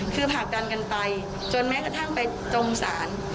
คือผลักดันกันไปจนแม้กระทั่งไปจมศาล